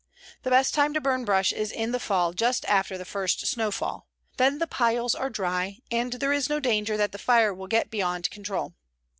The best time to burn brush is in the fall, just after the first snowfall. Then the piles are dry, and there is no danger that the fire will get beyond control.